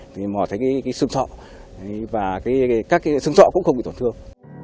thì mò thấy cái xương sọ và các cái xương sọ cũng không bị tổn thương